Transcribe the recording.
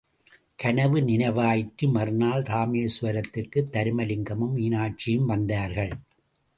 கனவு நினைவாயிற்று மறுநாள் இராமேசுவரத்திற்குத் தருமலிங்கமும் மீனாட்சியும் வந்தார்கள்.